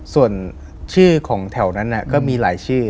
ส่วนชื่อของแถวนั้นก็มีหลายชื่อ